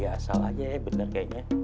ya asal aja ya benar kayaknya